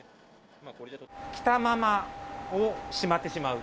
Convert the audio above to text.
着たままをしまってしまう。